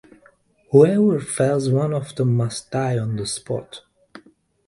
Whoever fells one of them must die on the spot.